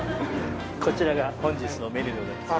こちらが本日のメニューでございます。